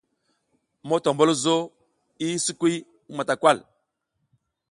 Motombulzo i sikwi matakay.